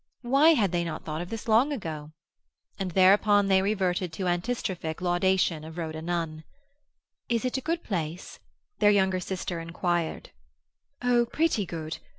Why had they not thought of this long ago? and thereupon they reverted to antistrophic laudation of Rhoda Nunn. "Is it a good place?" their younger sister inquired. "Oh, pretty good.